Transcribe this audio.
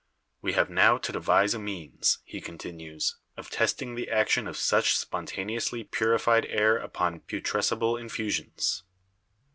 "We have now to devise a means," he continues, "of testing the action of such spontaneously purified air upon putrescible infusions.